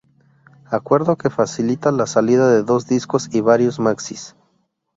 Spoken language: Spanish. Acuerdo que facilita la salida de dos discos y varios maxis.